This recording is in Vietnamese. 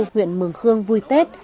nguyện mường khương vui tết